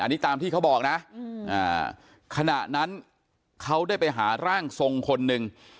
อันนี้ตามที่เขาบอกนะขณะนั้นเขาได้ไปหาร่างทรงคนหนึ่ง